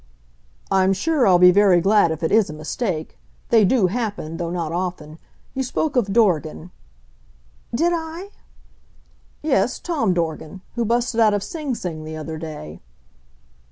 "I'm sure I'll be very glad if it is a mistake. They do happen though not often. You spoke of Dorgan " "Did I?" "Yes, Tom Dorgan, who busted out of Sing Sing the other day."